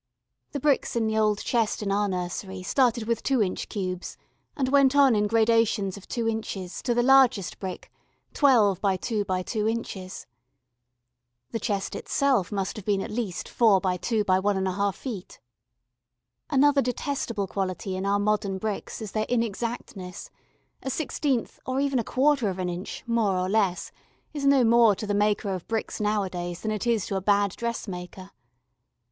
The bricks in the old chest in our nursery started with 2 in. cubes, and went on in gradations of 2 in. to the largest brick 12 by 2 by 2 in. The chest itself must have been at least 4 by 2 by 1½ ft. Another detestable quality in our modern bricks is their inexactness a sixteenth or even a quarter of an inch, more or less, is no more to the maker of bricks nowadays than it is to a bad dressmaker.